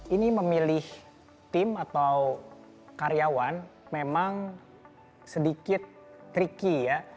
ini memilih tim atau karyawan memang sedikit tricky ya